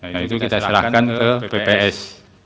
nah itu kita serahkan ke bps